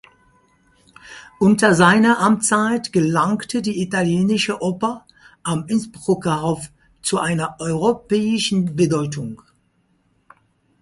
Unter seiner Amtszeit gelangte die italienische Oper am Innsbrucker Hof zu einer europäischen Bedeutung.